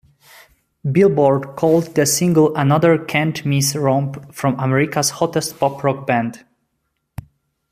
"Billboard" called the single "another can't-miss romp from America's hottest pop-rock band.